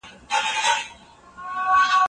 ایا هغه موټر به بیا د خیر محمد مخې ته ودریږي؟